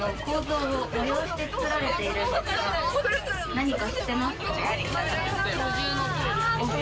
何か知ってます？